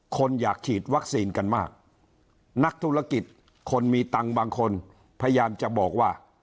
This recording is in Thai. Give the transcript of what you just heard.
คนอยากฉีดวัคซีนกันมากนักธุรกิจคนมีตังค์บางคนพยายามจะบอกว่า